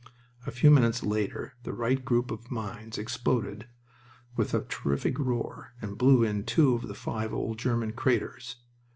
A few minutes later the right group of mines exploded with a terrific roar and blew in two of the five old German craters.